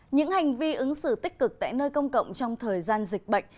những hành vi ứng xử tích cực tại nơi công cộng trong thời gian dịch bệnh